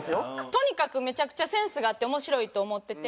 とにかくめちゃくちゃセンスがあって面白いと思ってて。